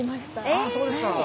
あそうですか。